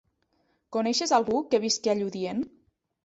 Coneixes algú que visqui a Lludient?